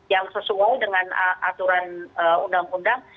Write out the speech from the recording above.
yang sesuai dengan aturan undang undang